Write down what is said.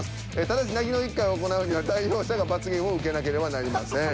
ただし泣きの１回を行うには代表者が罰ゲームを受けなければなりません。